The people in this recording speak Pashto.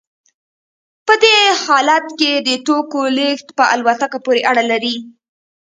په دې حالت کې د توکو لیږد په الوتکه پورې اړه لري